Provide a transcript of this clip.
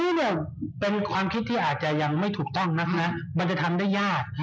อันนี้เนี่ยเป็นความคิดที่อาจจะยังไม่ถูกต้องนะคะมันจะทำได้ยาก